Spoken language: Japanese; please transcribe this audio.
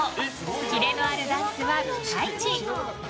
キレのあるダンスはピカイチ。